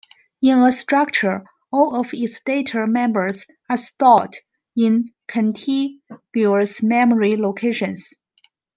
In a structure, all of its data members are stored in contiguous memory locations.